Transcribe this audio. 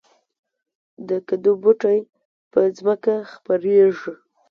د کدو بوټی په ځمکه خپریږي